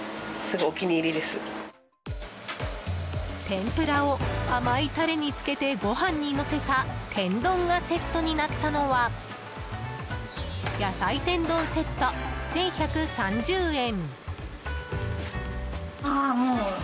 天ぷらを甘いタレに漬けてご飯にのせた天丼がセットになったのは野菜天丼セット、１１３０円。